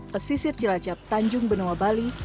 pesisir jelajah tanjung benua bali